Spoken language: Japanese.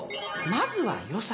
まずは予算。